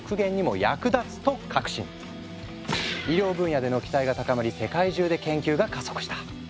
医療分野での期待が高まり世界中で研究が加速した。